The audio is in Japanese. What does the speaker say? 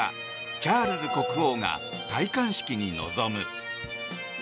チャールズ国王が戴冠式に臨む。